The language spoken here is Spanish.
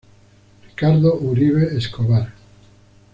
Ricardo Uribe Escobar